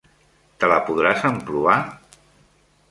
Te la podràs emprovar?